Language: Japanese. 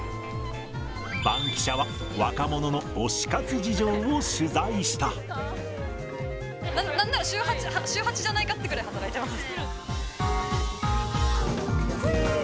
バンキシャは、なんなら、週８じゃないかってぐらい働いています。